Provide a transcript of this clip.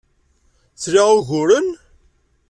Tla uguren?